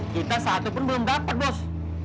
kita satu pun belum dapat bos